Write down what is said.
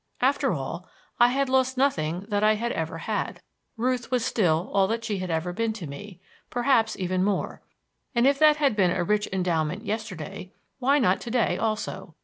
After all, I had lost nothing that I had ever had. Ruth was still all that she had ever been to me perhaps even more; and if that had been a rich endowment yesterday, why not to day also?